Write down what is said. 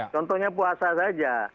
contohnya puasa saja